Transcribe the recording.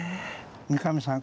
三上さん